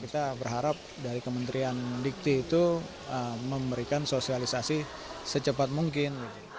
kita berharap dari kementerian dikti itu memberikan sosialisasi secepat mungkin